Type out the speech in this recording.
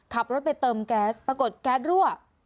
ขับรถไปเติมแก๊สปรากฏแก๊สรั่ว